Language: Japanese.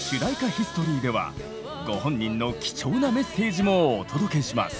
ヒストリーではご本人の貴重なメッセージもお届けします。